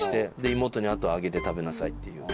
妹に「あとは揚げて食べなさい」っていう。